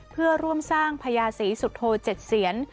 เพื่อร่วมสร้างพญาศีสุทโทเจ็ดเสียน